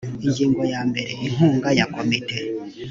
ingingo yambere inkunga ya komite